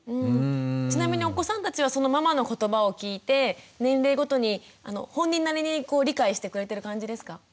ちなみにお子さんたちはそのママの言葉を聞いて年齢ごとに本人なりに理解してくれてる感じですか？